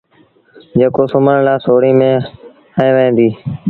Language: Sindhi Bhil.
جيڪو سُومڻ لآ سوڙيٚن ميݩ هنئيٚ وهي ديٚ